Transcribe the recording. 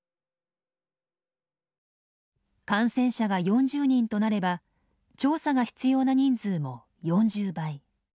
感染者が４０人となれば調査が必要な人数も４０倍。